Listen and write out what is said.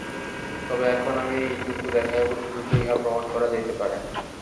তবে এখন আমি এইটুকু দেখাইব, কিরূপে ইহা প্রমাণ করা যাইতে পারে।